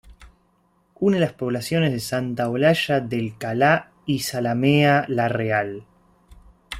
Une las poblaciones de Santa Olalla del Cala y Zalamea la Real.